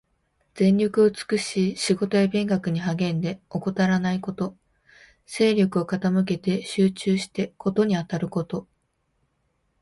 全力を尽くし仕事や勉学に励んで、怠らないこと。精力を傾けて集中して事にあたること。